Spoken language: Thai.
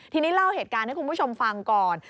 ทีนี้เล่าเหตุการณ์ให้คุณผู้ชมฟังก่อน